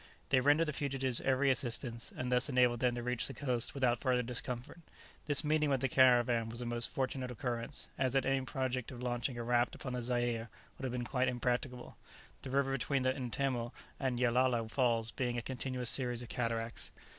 They rendered the fugitives every assistance, and thus enabled them to reach the coast without further discomfort. This meeting with the caravan was a most fortunate occurrence, as any project of launching a raft upon the Zaire would have been quite impracticable, the river between the Ntemo and Yellala Falls being a continuous series of cataracts.